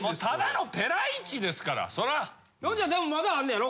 のんちゃんでもまだあんねんやろ？